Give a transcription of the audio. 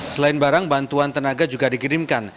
selain barang bantuan tenaga juga dikirimkan